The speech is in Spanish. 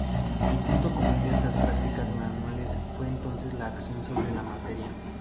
El punto común de estas prácticas manuales fue entonces la acción sobre la materia.